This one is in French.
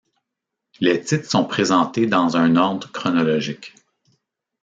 Les titres sont présentés dans un ordre chronologique.